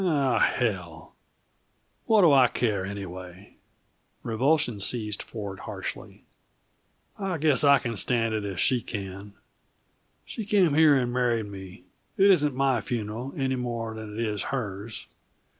"Oh, hell! What do I care, anyway?" Revulsion seized Ford harshly. "I guess I can stand it if she can. She came here and married me it isn't my funeral any more than it is hers.